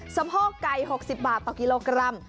สะโพกไก่๖๐บาทต่อกิโลกรัม